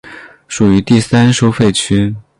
属于第三收费区。